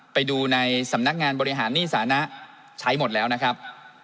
ไปดูในสำนักงานบริหารหนี้สานะใช้หมดแล้วนะครับ